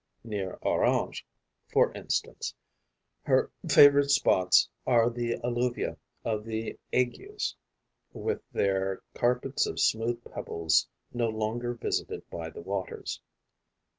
Near Orange, for instance, her favourite spots are the alluvia of the Aygues, with their carpets of smooth pebbles no longer visited by the waters.